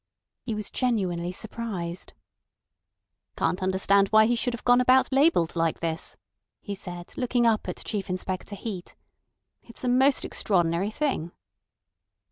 He was genuinely surprised. "Can't understand why he should have gone about labelled like this," he said, looking up at Chief Inspector Heat. "It's a most extraordinary thing."